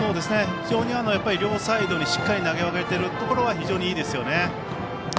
非常に両サイドにしっかり投げ分けてるところは非常にいいですよね。